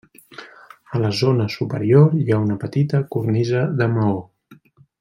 A la zona superior hi ha una petita cornisa de maó.